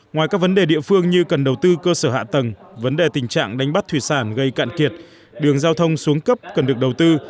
ngoài các vấn đề địa phương như cần đầu tư cơ sở hạ tầng vấn đề tình trạng đánh bắt thủy sản gây cạn kiệt đường giao thông xuống cấp cần được đầu tư